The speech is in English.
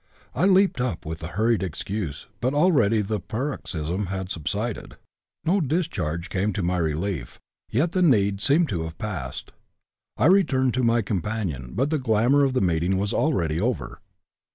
I leaped up with a hurried excuse, but already the paroxysm had subsided. No discharge came to my relief, yet the need seemed to have passed. I returned to my companion, but the glamour of the meeting was already over.